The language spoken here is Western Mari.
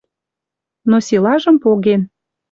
Но силажым поген